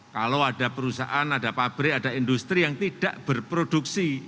kalau ada perusahaan ada pabrik ada industri yang tidak berproduksi